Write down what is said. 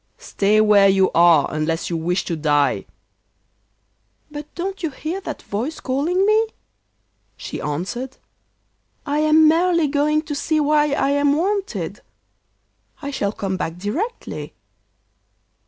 Stay where you are unless you wish to die.' 'But don't you hear that voice calling me?' she answered. 'I am merely going to see why I am wanted. I shall come back directly.